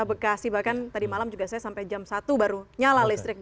di bekasi bahkan tadi malam juga saya sampai jam satu baru nyala listrik